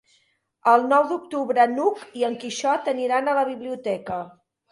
El nou d'octubre n'Hug i en Quixot aniran a la biblioteca.